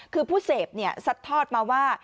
คือผู้เสพเนี่ยสัดทอดมาว่า